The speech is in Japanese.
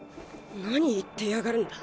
何言ってやがるんだ？